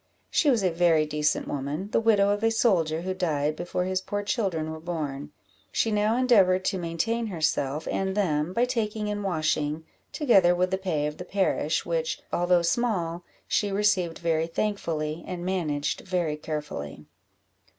She was a very decent woman, the widow of a soldier, who died before his poor children were born; she now endeavoured to maintain herself and them by taking in washing, together with the pay of the parish, which, although small, she received very thankfully, and managed very carefully.